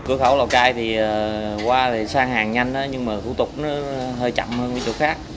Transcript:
cửa khẩu lào cai thì qua thì sang hàng nhanh nhưng mà thủ tục nó hơi chậm hơn cái chỗ khác